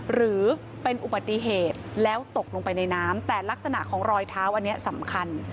หรือเป็นอุบัติเหตุแล้วตกลงไปในน้ำแต่ลักษณะของรอยเท้าอันนี้สำคัญ